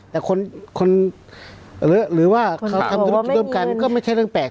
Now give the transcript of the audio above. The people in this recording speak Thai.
แต่คนหรือว่าเขาทำธุรกิจร่วมกันก็ไม่ใช่เรื่องแปลก